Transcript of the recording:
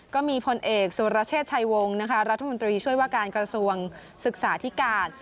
ก็มีพลเอกสุรเชษฐชัยวงศ์นะคะรัฐมนตรีช่วยว่าการกระทรวงศึกษาธิการ